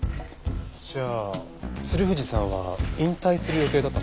じゃあ鶴藤さんは引退する予定だったんですか？